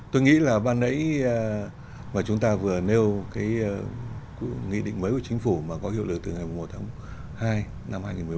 tôi nghĩ là ban nãy mà chúng ta vừa nêu cái nghị định mới của chính phủ mà có hiệu lực từ ngày một tháng hai năm hai nghìn một mươi bốn